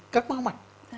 các máu mạch